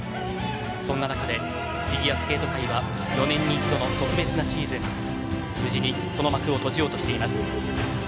そんな中でフィギュアスケート界は４年に１度の特別なシーズン無事にその幕を閉じようとしています。